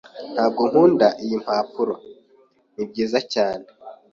Ntabwo nkunda iyi mpapuro. Nibyiza cyane.